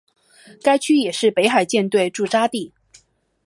该区也是北海舰队驻扎地。